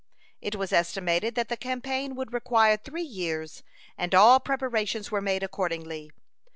It was estimated that the campaign would require three years, and all preparations were made accordingly.